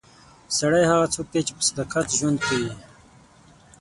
سړی هغه څوک دی چې په صداقت ژوند کوي.